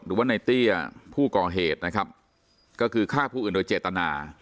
หรือว่าในเตี้ยผู้ก่อเหตุนะครับก็คือฆ่าผู้อื่นโดยเจตนา